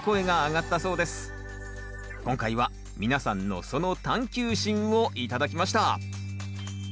今回は皆さんのその探求心を頂きました。